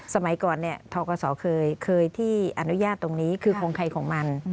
สมัยก่อนทกศเคยที่อนุญาตตรงนี้คือโครงใครของมัน